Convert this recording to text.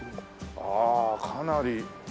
ああかなり。